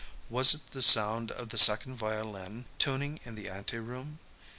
Was it the sound of the second violin tuning in the ante room?